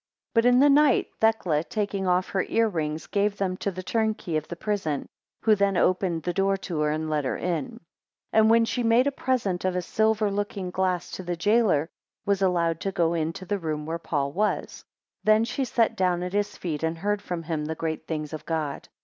10 But in the night, Thecla taking off her ear rings, gave them to the turnkey of the prison, who then opened the door to her, and let her in; 11 And when she made a present of a silver looking glass to the jailor, was allowed to go into the room where Paul was; then she set down at his feet, and heard from him the great things of God.